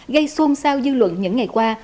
gây xuôn sao dư luận những ngày qua